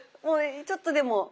もうちょっとでも。